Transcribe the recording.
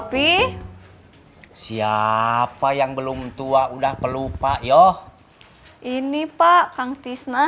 tapi siapa yang belum tua udah pelupa yoh ini pak kang tisna